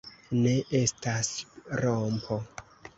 Ne, estas rompo.